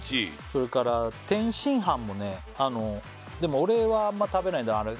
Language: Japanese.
それから天津飯もねでも俺はあんまり食べないんだあれ